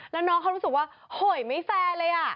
แล้วน้องเขารู้สึกว่าโหยไม่แฟร์เลย